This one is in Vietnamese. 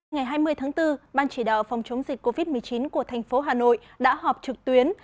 ngày hai mươi tháng bốn ban chỉ đạo phòng chống dịch covid một mươi chín của thành phố hà nội đã họp trực tuyến